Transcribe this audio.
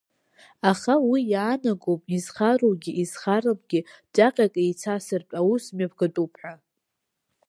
Аха уи иаанагом, изхаругьы изхарымгьы ҵәаҟьак еицасыртә аус мҩаԥгатәуп ҳәа.